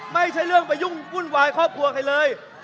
ไม่ใช่เรื่องไปยุ่งวุ่นวายครอบครัวใครเลย